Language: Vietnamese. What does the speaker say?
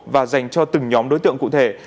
và dành cho từng nhóm đối tượng cụ thể